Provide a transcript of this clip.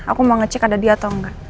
aku mau ngecek ada dia atau enggak